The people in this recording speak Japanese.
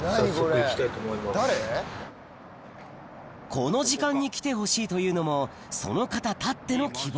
この時間に来てほしいというのもその方たっての希望